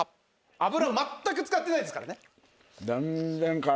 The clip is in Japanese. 油まったく使ってないですからね。